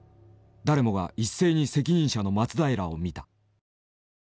誰もが一斉に責任者の松平を見た。